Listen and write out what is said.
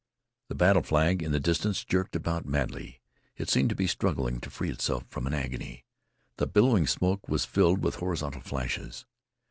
The battle flag in the distance jerked about madly. It seemed to be struggling to free itself from an agony. The billowing smoke was filled with horizontal flashes.